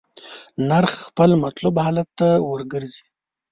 نرخ خپل مطلوب حالت ته ورګرځي.